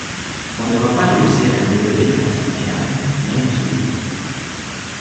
On ne va pas réussir à la débloquer de façon fiable, même sous hypnose.